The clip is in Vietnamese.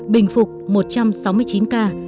bình phục một trăm sáu mươi chín ca